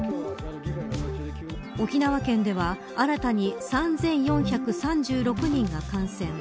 沖縄県では新たに３４３６人が感染。